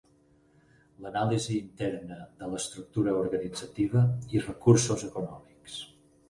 L'anàlisi interna de l'estructura organitzativa i recursos econòmics.